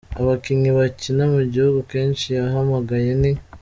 Abakinnyi bakina mu gihugu Keshi yahamagaye ni:.